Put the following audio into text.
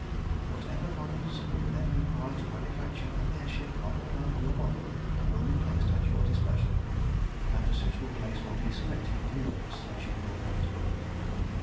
"Whatever funds you then require to manufacture an air ship on the plan of your model will be placed at your disposal, and a suitable place will be selected for the works that you will have to build.